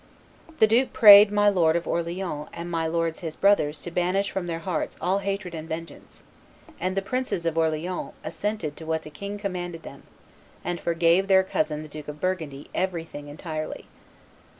The duke prayed "my lord of Orleans and my lords his brothers to banish from their hearts all hatred and vengeance;" and the princes of Orleans "assented to what the king commanded them, and forgave their cousin the Duke of Burgundy everything entirely."